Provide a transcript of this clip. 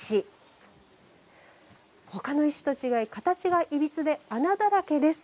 ほかの石と違い形がいびつで穴だらけです。